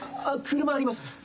あっ車あります。